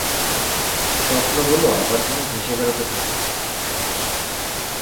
স্বপ্নগুলো আবার যেন ভেসে বেড়াতে থাকে।